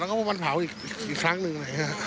แล้วก็วันพร้าวอีกครั้งหนึ่ง